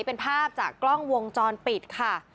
เป็นภาพจากกล้องวงจรปิดค่ะ